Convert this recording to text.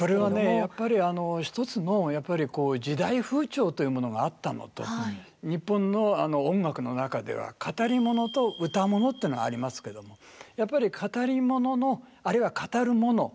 やっぱり一つのやっぱり時代風潮というものがあったのと日本の音楽の中では語り物と唄物っていうのがありますけどもやっぱり語り物のあるいは語る物。